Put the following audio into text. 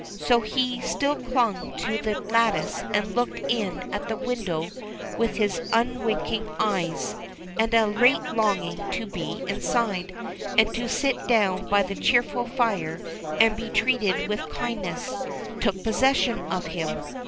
So he still clung to the lattice and looked in at the window with his unwink ing eyes ; and a great longing to be inside, and to sit down by the cheerful fire and be treated with kind ness, took possession of him.